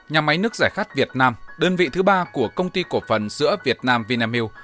nhà máy nước giải khát việt nam đơn vị thứ ba của công ty cổ phần sữa việt nam vinamilk